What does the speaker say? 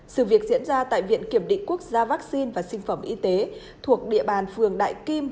sự việc diễn ra tại viện kiểm định quốc gia vaccine và sinh phẩm y tế thuộc địa bàn phường đại kim